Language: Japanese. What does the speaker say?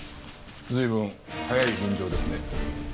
随分早い臨場ですね。